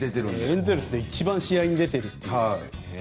エンゼルスで一番試合に出ているという。